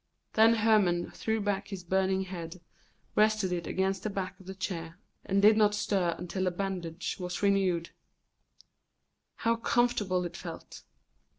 Then Hermon threw back his burning head, rested it against the back of the chair, and did not stir until the bandage was renewed. How comfortable it felt!